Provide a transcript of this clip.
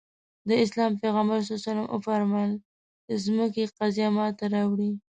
د اسلام پيغمبر ص وفرمايل ځمکې قضيه ماته راوړي.